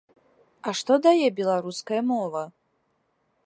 А што дае беларуская мова?